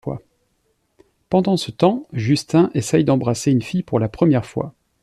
Pendant ce temps, Justin essaie d'embrasser une fille pour la première fois.